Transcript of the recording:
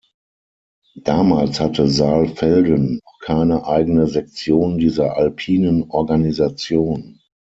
Damals hatte Saalfelden noch keine eigene Sektion dieser alpinen Organisation.